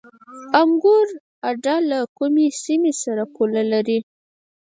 انګور اډه له کومې سیمې سره پوله لري؟